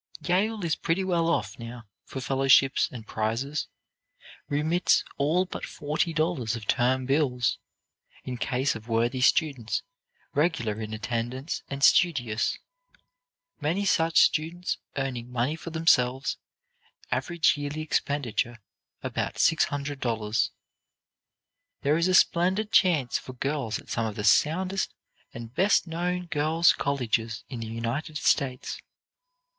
Yale is pretty well off now for fellowships and prizes; remits all but forty dollars of term bills, in case of worthy students, regular in attendance and studious; many such students earning money for themselves; average yearly expenditure, about six hundred dollars. There is a splendid chance for girls at some of the soundest and best known girls' colleges in the United States.